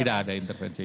tidak ada intervensi